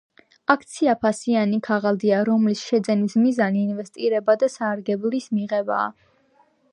აქცია ფასიანი ქაღალდია, რომლის შეძენის მიზანი ინვესტირება და სარგებლის მიღებაა